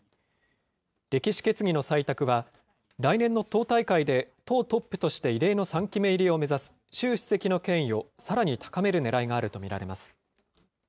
歴史決議の採択は、来年の党大会で党トップとして異例の３期目入りを目指す習主席の権威をさらに高めるねらいがあると見られます。